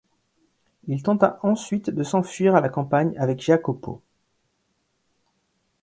Il tenta ensuite de s'enfuir à la campagne avec Jacopo.